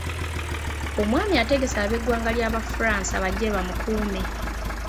Omwami ategeeze ab'eggwanga lye Abafransa bajje bamukuume.